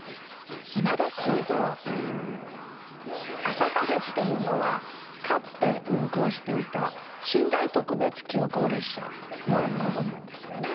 「あさかぜ」っていうのはかつて運行していた寝台特別急行列車のことなんですよね。